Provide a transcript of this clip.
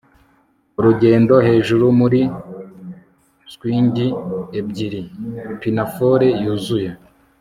urugendo-hejuru muri swingi ebyiri, pinafore yuzuye